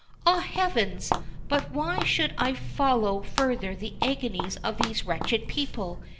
Ah, Heavens! but why should I follow further the agonies of these wretched people.